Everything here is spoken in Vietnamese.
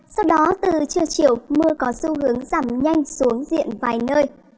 sau đó từ trưa chiều mưa có xu hướng giảm nhanh xuống diện vài nơi